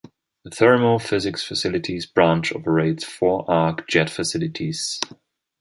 The Thermo-Physics Facilities Branch operates four arc jet facilities.